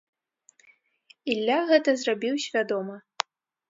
Ілля гэта зрабіў свядома.